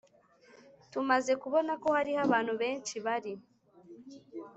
Tumaze kubona ko hariho abantu benshi bari